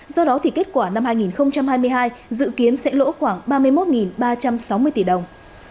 do đó thì kết quả năm hai nghìn hai mươi hai dự kiến sẽ lỗ khoảng ba mươi một ba trăm sáu mươi tỷ đồng